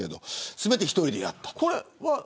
全て１人でやったと。